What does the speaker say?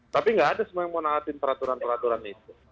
tapi nggak ada semua yang mau nalatin peraturan peraturan itu